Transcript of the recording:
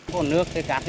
phụ lúa hẻ thu năm nay